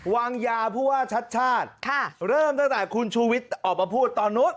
วางยาผู้ว่าชัดชาติเริ่มตั้งแต่คุณชูวิทย์ออกมาพูดตอนนู้น